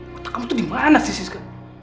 kota kamu tuh dimana sih siska